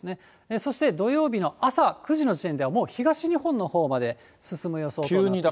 そして土曜日の朝９時の時点では、もう東日本のほうまで進む予想となっています。